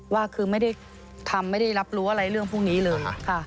ว่าคือไม่ได้ทำไม่ได้รับรู้อะไรเรื่องพวกนี้เลยค่ะ